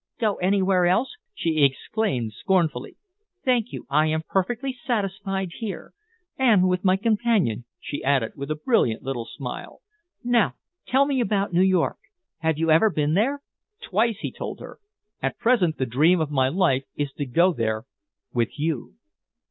Go anywhere else?" she exclaimed scornfully. "Thank you, I am perfectly satisfied here. And with my companion," she added, with a brilliant little smile. "Now tell me about New York. Have you ever been there?" "Twice," he told her. "At present the dream of my life is to go there with you."